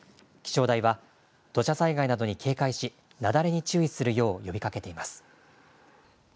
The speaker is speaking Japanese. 気象台は土砂災害などに警戒し、雪崩に注意するよう呼びかけています。